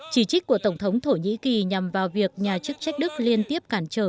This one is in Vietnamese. chỉ trích của tổng thống thổ nhĩ kỳ nhằm vào việc nhà chức trách đức liên tiếp cản trở